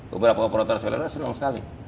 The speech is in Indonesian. beberapa operator saudara senang sekali